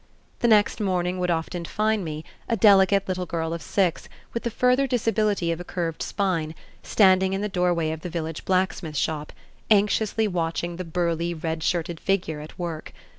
The next morning would often find me, a delicate little girl of six, with the further disability of a curved spine, standing in the doorway of the village blacksmith shop, anxiously watching the burly, red shirted figure at work.